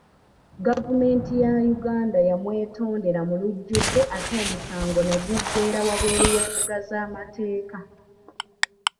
Gavumenti ya Uganda yamwetondera mu lujjudde ate omusango ne guggwera wabweru w'embuga z'amateeka